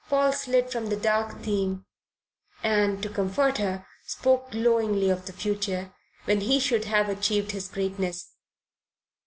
Paul slid from the dark theme and, to comfort her, spoke glowingly of the future, when he should have achieved his greatness.